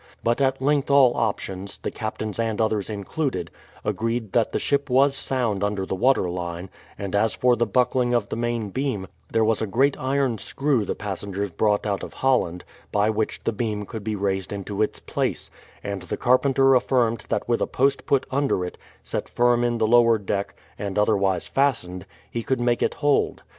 But at length all opinions, the captain's and others' included, agreed that the ship was sound under the water line, and as for the buckling of the main beam, there was a great iron screw the passengers brought out of Hol land, by which the beam could be raised into its place; and the carpenter affirmed that with a post put under it, set firm in the lower deck, and otherwise fastened, he could make it hold.